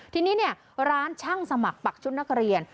ทีนี้เนี่ยร้านช่างสมัครปักชุดนักเรียน